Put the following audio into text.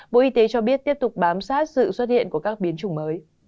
bộ y tế cho biết tiếp tục bám sát sự xuất hiện của các biến chủng mới